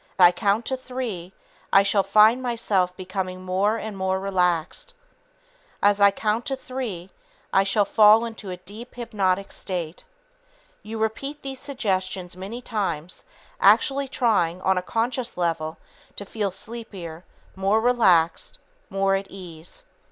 As I count to three, I shall find myself becoming more and more relaxed. As I count to three, I shall fall into a deep, hypnotic sleep." You repeat these suggestions many times, actually trying on a conscious level to feel sleepier, more relaxed, more at ease.